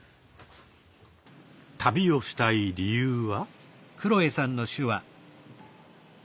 旅をしたい理由は？